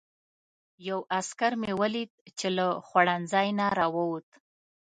یو عسکر مې ولید چې له خوړنځای نه راووت.